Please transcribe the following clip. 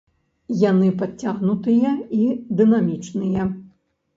Яны падцягнутыя і дынамічныя.